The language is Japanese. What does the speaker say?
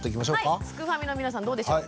はいすくファミの皆さんどうでしょう。